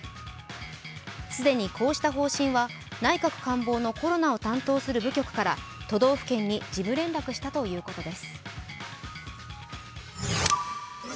既にこうした方針は内閣官房のコロナを担当する部局から都道府県に事務連絡したということです。